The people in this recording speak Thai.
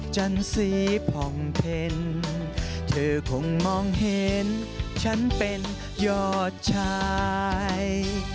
จันสีผ่องเพ็ญเธอคงมองเห็นฉันเป็นยอดชาย